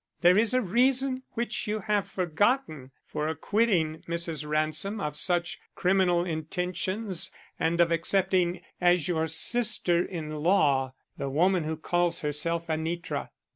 There is a reason which you have forgotten for acquitting Mrs. Ransom of such criminal intentions and of accepting as your sister in law the woman who calls herself Anitra.